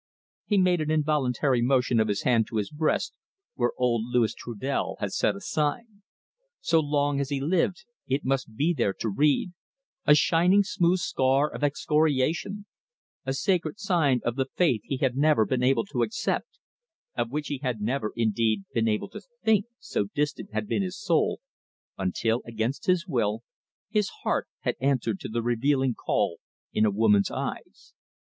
He made an involuntary motion of his hand to his breast, where old Louis Trudel had set a sign. So long as he lived, it must be there to read: a shining smooth scar of excoriation, a sacred sign of the faith he had never been able to accept; of which he had never, indeed, been able to think, so distant had been his soul, until, against his will, his heart had answered to the revealing call in a woman's eyes.